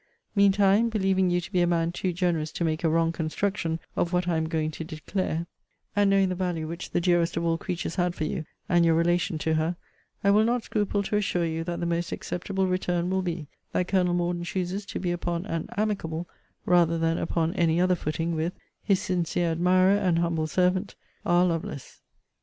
Mean time, believing you to be a man too generous to make a wrong construction of what I am going to declare, and knowing the value which the dearest of all creatures had for you, and your relation to her, I will not scruple to assure you, that the most acceptable return will be, that Colonel Morden chooses to be upon an amicable, rather than upon any other footing, with His sincere admirer, and humble servant, R. LOVELACE.